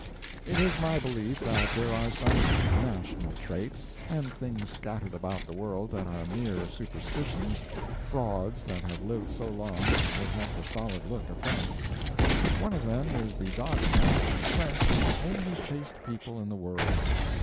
It is my belief that there are some "national" traits and things scattered about the world that are mere superstitions, frauds that have lived so long that they have the solid look of facts. One of them is the dogma that the French are the only chaste people in the world.